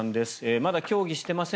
まだ協議していません。